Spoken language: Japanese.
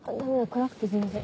暗くて全然。